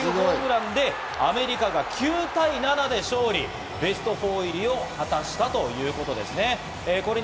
逆転満塁ホームランでアメリカが９対７で勝利、ベスト４入りを果たしたということですね。